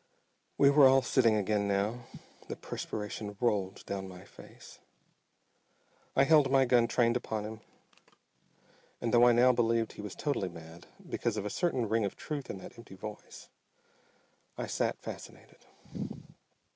We were all sitting again now. The perspiration rolled down my face. I held my gun trained upon him, and, though I now believed he was totally mad, because of a certain ring of truth in that empty voice, I sat fascinated.